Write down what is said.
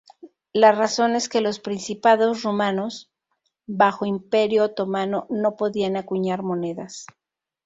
La razón es que los Principados Rumanos bajo imperio otomano no podían acuñar monedas.